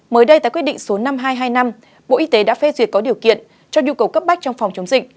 mới đây tại quyết định số năm hai hai năm bộ y tế đã phê duyệt có điều kiện cho nhu cầu cấp bách trong phòng chống dịch